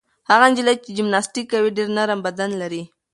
هغه نجلۍ چې جمناسټیک کوي ډېر نرم بدن لري.